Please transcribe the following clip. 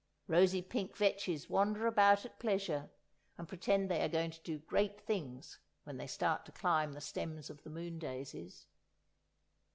Rosy pink vetches wander about at pleasure, and pretend they are going to do great things when they start to climb the stems of the moon daisies.